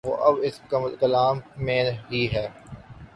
وہ اب اس کلام میں ہی ہے۔